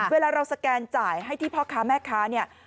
เวลาเราสแกนจ่ายให้ที่พ่อค้าแม่ค้าเนี่ย